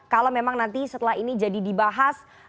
kalau memang nanti setelah ini jadi dibahas